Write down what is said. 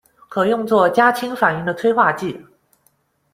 可用作加氢反应的催化剂。